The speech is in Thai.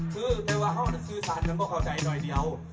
คือแปลว่าเขาจะสื่อสารนั้นก็เข้าใจหน่อยเดียว